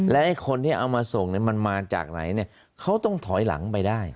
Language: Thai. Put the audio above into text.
และคนที่เอามาส่งมันมาจากไหนเขาต้องถอยหลังไปได้